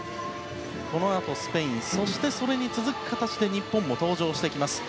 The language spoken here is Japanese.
このあと、スペインそしてそれに続く形で日本も登場してきます。